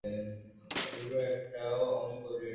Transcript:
এগুলোর একটাও আমি করি নাই।